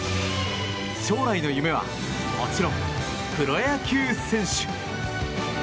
将来の夢はもちろんプロ野球選手。